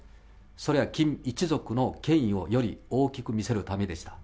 それはキム一族の権威をより大きく見せるためでした。